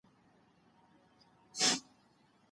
که ملګري راسي، هغه به له ډاره اوږده لاره د اتڼ لپاره ونه وهي.